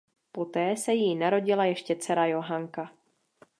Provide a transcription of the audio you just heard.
Poté se jí narodila ještě dcera Johanka.